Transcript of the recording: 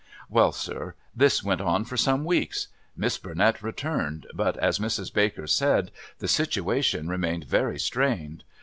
"Well, sir, this went on for some weeks. Miss Burnett returned, but, as Mrs. Baker said, the situation remained very strained.